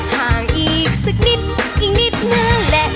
ห่างอีกสักนิดอีกนิดนึงแหละ